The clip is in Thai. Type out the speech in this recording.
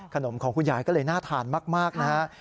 ของคุณยายก็เลยน่าทานมากนะฮะ